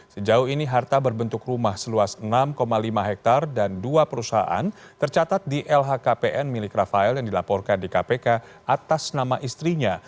sejauh ini harta berbentuk rumah seluas enam lima hektare dan dua perusahaan tercatat di lhkpn milik rafael yang dilaporkan di kpk atas nama istrinya